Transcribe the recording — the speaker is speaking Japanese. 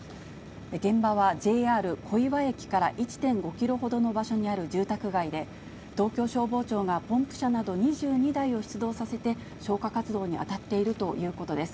現場はＪＲ小岩駅から１．５キロほどの場所にある住宅街で、東京消防庁がポンプ車など２２台を出動させて消火活動に当たっているということです。